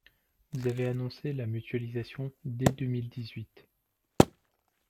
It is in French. Vous avez annoncé la mutualisation dès deux mille dix-huit.